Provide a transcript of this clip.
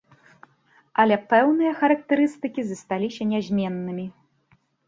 Але пэўныя характарыстыкі засталіся нязменнымі.